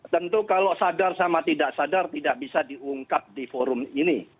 tentu kalau sadar sama tidak sadar tidak bisa diungkap di forum ini